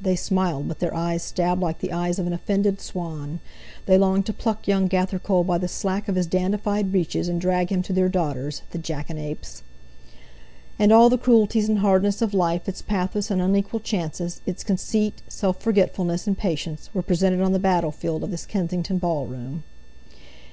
they smiled, but their eyes stabbed like the eyes of an offended swan; they longed to pluck young Gathercole by the slack of his dandified breeches, and drag him to their daughters—the jackanapes! And all the cruelties and hardness of life, its pathos and unequal chances, its conceit, self forgetfulness, and patience, were presented on the battle field of this Kensington ball room.